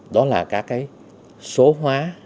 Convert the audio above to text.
đó là các cái số hóa